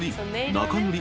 中塗り。